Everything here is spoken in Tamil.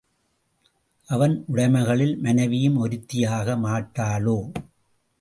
அவன் உடைமைகளில் மனைவியும் ஒருத்தி ஆக மாட்டாளோ?